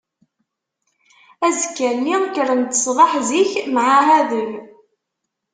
Azekka-nni, kkren-d ṣṣbeḥ zik, mɛahaden.